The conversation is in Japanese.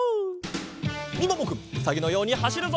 みももくんうさぎのようにはしるぞ！